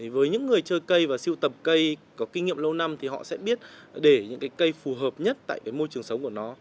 với những người chơi cây và siêu tập cây có kinh nghiệm lâu năm thì họ sẽ biết để những cây phù hợp nhất tại môi trường sống của nó